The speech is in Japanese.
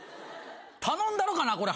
頼んだろかなこれ。